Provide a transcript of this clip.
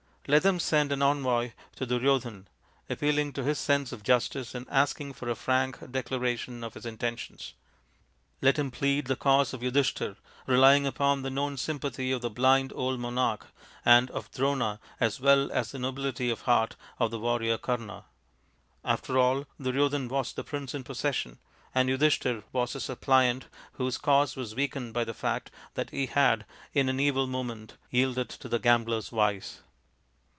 Let them send an envoy to Duryodhan appealing to his sense of justice and asking for a frank declaration of his intentions ; let him plead the cause of Yudhishthir, relying upon the known sympathy of the blind old monarch and of Drona, as well as the nobility of heart of the warrior Kama. After all, Duryodhan was the prince in possession, and Yudhishthir was a suppliant whose cause was weakened by the fact that he had, in an evil moment, yielded to the gambler's vice.